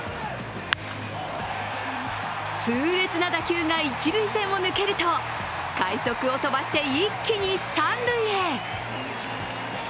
痛烈な打球が一塁線を抜けると快速を飛ばして、一気に三塁へ。